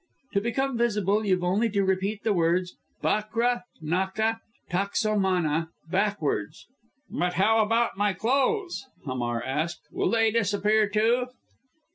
To become visible, you've only to repeat the words, 'Bakra naka taksomana,' backwards." "But how about my clothes?" Hamar asked. "Will they disappear too?"